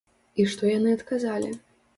І што яны адказалі?